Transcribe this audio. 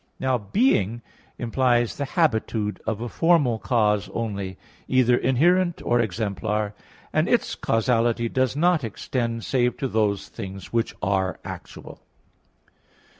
Now being implies the habitude of a formal cause only, either inherent or exemplar; and its causality does not extend save to those things which are actual.